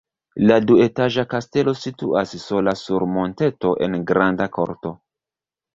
La duetaĝa kastelo situas sola sur monteto en granda korto.